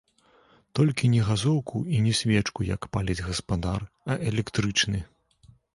Толькі не газоўку і не свечку, як паліць гаспадар, а электрычны.